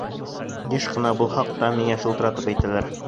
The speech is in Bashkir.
Йыш ҡына был хаҡта миңә шылтыратып әйтәләр.